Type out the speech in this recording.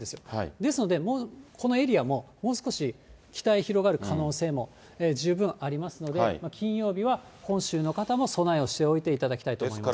ですので、このエリアももう少し北へ広がる可能性も十分ありますので、金曜日は本州の方も備えをしていただきたいと思います。